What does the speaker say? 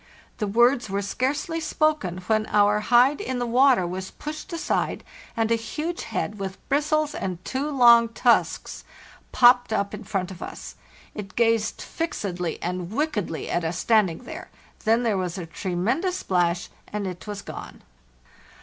The words were scarcely spoken, when our hide in the water was pushed aside and a huge head, with bristles and two long tusks, popped up in front of us. It gazed fixedly and wickedly at us standing there, then there was a tremendous splash and it was gone.